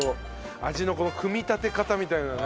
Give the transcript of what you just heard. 味の組み立て方みたいなのがね。